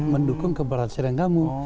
mendukung keberhasilan kamu